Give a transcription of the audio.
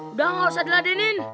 udah gak usah diladenin